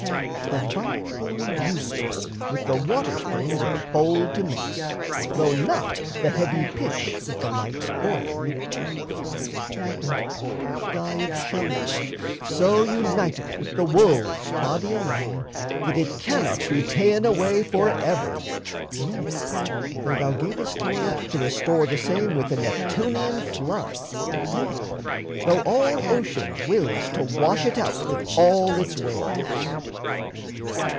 The vine born juices with the water springs Are bold to mix, though not the heavy pitch With the light oil of olive. And purple dye Of shell fish so uniteth with the wool's Body alone that it cannot be ta'en Away forever nay, though thou gavest toil To restore the same with the Neptunian flood, Nay, though all ocean willed to wash it out With all its waves.